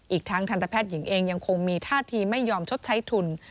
อีกทั้งทันตแพทย์หญิงเองยังคงมีท่าทีไม่ยอมชดใช้ทุน